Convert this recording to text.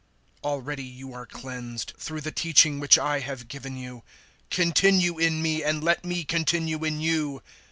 015:003 Already you are cleansed through the teaching which I have given you. 015:004 Continue in me, and let me continue in you.